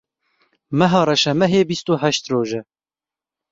Meha reşemehê bîst û heşt roj e.